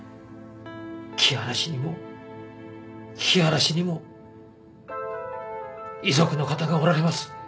木原氏にも日原氏にも遺族の方がおられます。